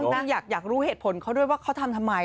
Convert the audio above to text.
นางอยากรู้เหตุผลเขาด้วยว่าเขาทำทำไม